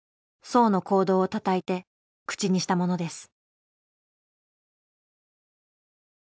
荘の行動をたたえて口にしたものです。